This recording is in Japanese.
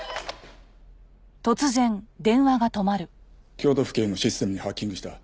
京都府警のシステムにハッキングした。